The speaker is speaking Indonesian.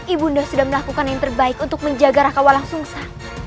ibu nda sudah melakukan yang terbaik untuk menjaga raka walang sungsa